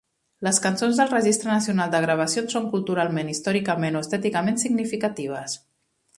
Les cançons del Registre Nacional de Gravacions són culturalment, històricament o estèticament significatives.